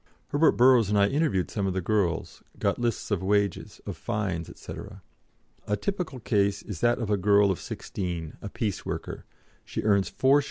Herbert Burrows and I interviewed some of the girls, got lists of wages, of fines, &c. "A typical case is that of a girl of sixteen, a piece worker; she earns 4s.